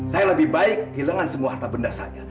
saya lebih baik kehilangan semua harta benda saya